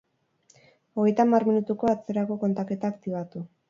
Hogeita hamar minutuko atzerako kontaketa aktibatu.